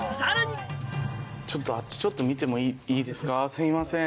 すいません。